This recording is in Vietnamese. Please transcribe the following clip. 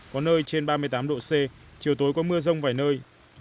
có nơi trên ba mươi tám độ c chiều tối có mưa rông vài nơi